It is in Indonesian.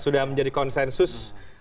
sudah menjadi konsensus